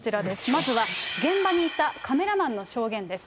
まずは現場にいたカメラマンの証言です。